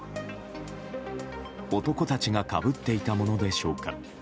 男たちがかぶっていたものでしょうか。